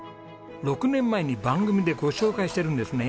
６年前に番組でご紹介してるんですね。